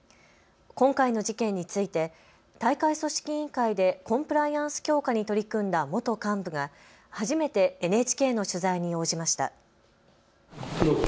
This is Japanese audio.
今回の事件について大会組織委員会でコンプライアンス強化に取り組んだ元幹部が初めてＮＨＫの取材に応じました。